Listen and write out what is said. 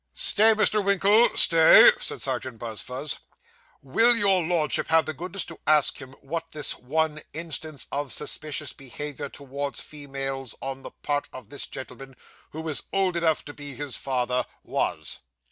'Stay, Mr. Winkle, stay!' said Serjeant Buzfuz, 'will your Lordship have the goodness to ask him, what this one instance of suspicious behaviour towards females on the part of this gentleman, who is old enough to be his father, was?